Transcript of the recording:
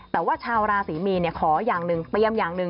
แต่ว่าชาวราศรีมีนขออย่างหนึ่งเตรียมอย่างหนึ่ง